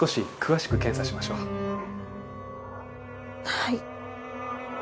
はい。